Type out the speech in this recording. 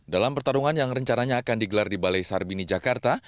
dalam pertarungan yang rencananya akan digelar di balai sarbini jakarta